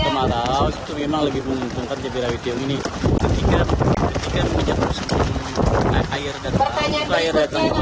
kemaraulin memang lebih menguntungkan jd great yang ini ketiga ketiga pujian mushru lair sdp